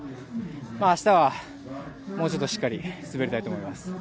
あしたは、もうちょっとしっかり滑りたいと思います。